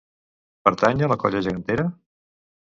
Pertany a la Colla Gegantera?